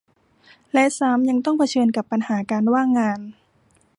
และซ้ำยังต้องเผขิญกับปัญหาการว่างงาน